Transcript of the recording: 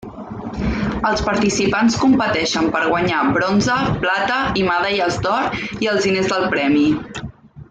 Els participants competeixen per guanyar bronze, plata i medalles d'or, i els diners del premi.